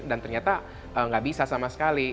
tapi tidak bisa sama sekali